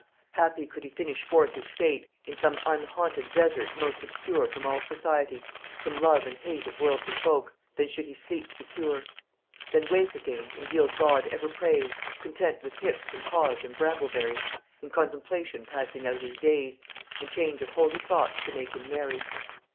Happy could he finish forth his fate In some unhaunted desert most obscure From all society, from love and hate Of worldly folk; then should he sleep secure. Then wake again, and yield God ever praise, Content with hips and haws and brambleberry; In contemplation passing out his days, And change of holy thoughts to make him merry.